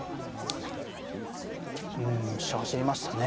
うん飛車走りましたね。